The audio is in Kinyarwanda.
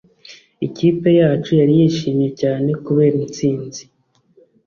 ikipe yacu yari yishimye cyane kubera intsinzi